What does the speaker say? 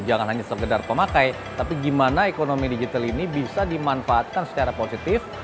jangan hanya sekedar pemakai tapi gimana ekonomi digital ini bisa dimanfaatkan secara positif